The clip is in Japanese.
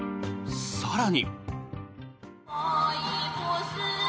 更に。